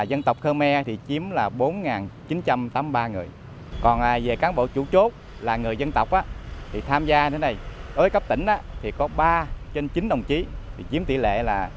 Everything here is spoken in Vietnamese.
đối với các cấp tỉnh có ba trên chín đồng chí chiếm tỷ lệ ba mươi ba ba mươi ba